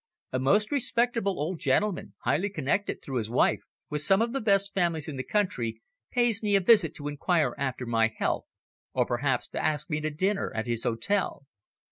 A most respectable old gentleman, highly connected, through his wife, with some of the best families in the country, pays me a visit to inquire after my health, or perhaps to ask me to dinner at his hotel.